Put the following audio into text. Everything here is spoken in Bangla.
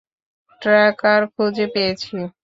ট্র্যাকার খুঁজে পেয়েছি।